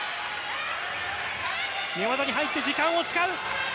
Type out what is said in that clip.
寝技に入って時間を使う。